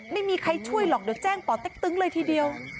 ไม่มีใครช่วยหรอกเดี๋ยวแจ้งป่อเต็กตึ๊งเลยทีเดียว